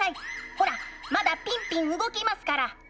ほらまだピンピン動きますから！